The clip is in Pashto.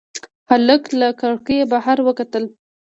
هلک له کړکۍ بهر وکتل.